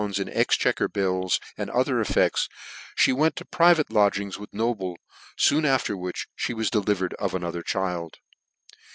in exchequer bills and other effects, fhe went to private lodgings with Noble, foon after which me was delivered of another child.